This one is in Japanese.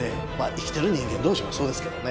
生きてる人間同士もそうですけどね。